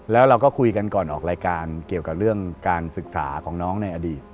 แล้วเราก็คุยกันก่อนออกรายการเกี่ยวกับเรื่องการศึกษาของน้องในอดีต